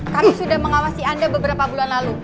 kami sudah mengawasi anda beberapa bulan lalu